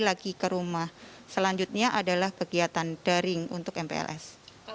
kegiatan kemarin adalah kegiatan pembukaan mpls